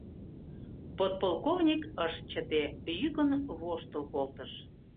Подполковник ыш чыте, йӱкын воштыл колтыш.